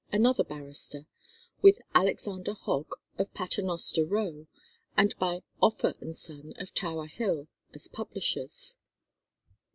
another barrister, with Alexander Hogg, of Paternoster Row, and by Offor and Sons of Tower Hill as publishers.